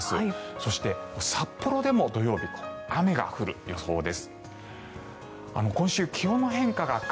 そして、札幌でも土曜日雨が降る予想です。